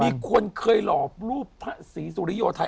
มีคนเคยหล่อรูปสีสุริยธัย